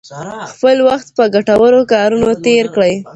خپل وخت په ګټورو کارونو تیر کړئ.